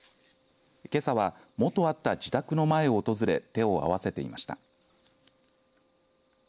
けさはもとあった自宅の前を訪れ手を合わせていました。